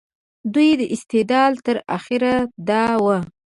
دوی استدلال تر اخره دا و.